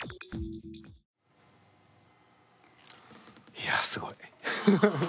いやすごい。